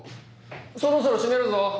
そろそろ閉めるぞ。